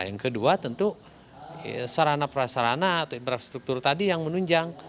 yang kedua tentu sarana prasarana atau infrastruktur tadi yang menunjang